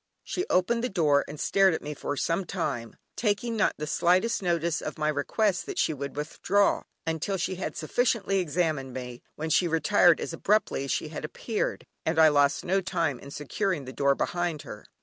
She opened the door, and stared at me for some time, taking not the slightest notice of my requests that she would withdraw, until she had sufficiently examined me, when she retired as abruptly as she had appeared, and I lost no time in securing the door behind her.